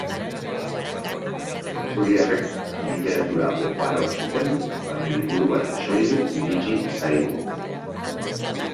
Etruriarrek literatura oparoa zuten baina liburu bat soilik iritsi zaigu.